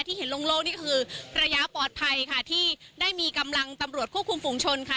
เห็นลงโลกนี่คือระยะปลอดภัยค่ะที่ได้มีกำลังตำรวจควบคุมฝุงชนค่ะ